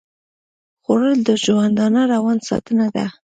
خوړل د ژوندانه روان ساتنه ده